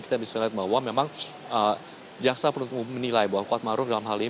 kita bisa lihat bahwa memang jaksa penuntut umum menilai bahwa kuat maruf dalam hal ini